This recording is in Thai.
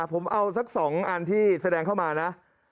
ผมเอาสัก๒อันที่แสดงเข้ามานะ